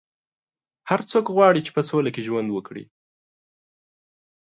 هر څوک غواړي چې په سوله کې ژوند وکړي.